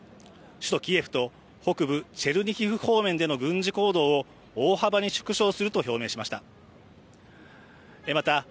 首都キエフと北部チェルニヒウ方面での軍事行動を大幅に縮小すると表明しました。